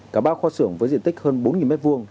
cả ba kho xưởng với diện tích hơn bốn m hai